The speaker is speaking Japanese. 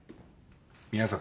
宮坂